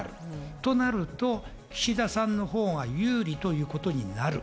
となると岸田さんのほうが有利ということになる。